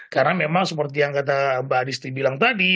karena memang seperti yang kata mbak adi seti bilang tadi